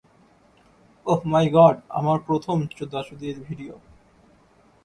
Oh my god, আমার প্রথম চোদাচুদির ভিডিও!